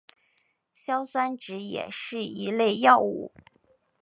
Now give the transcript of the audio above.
硝酸酯也是一类药物。